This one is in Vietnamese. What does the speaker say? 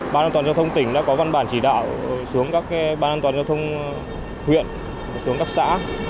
ban an toàn giao thông tỉnh đã có văn bản chỉ đạo xuống các ban an toàn giao thông huyện xuống các xã